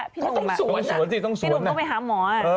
พี่นุมต้องไปหาหมอ